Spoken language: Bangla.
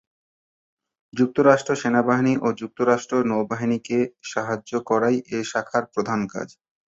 যুক্তরাষ্ট্র সেনাবাহিনী ও যুক্তরাষ্ট্র নৌবাহিনীকে সাহায্য করাই এ শাখার প্রধান কাজ।